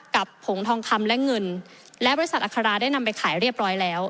ผงทองคำและเงินและบริษัทอัคราได้นำไปขายเรียบร้อยแล้ว